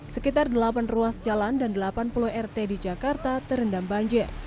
sekitar delapan ruas jalan dan delapan puluh rt di jakarta terendam banjir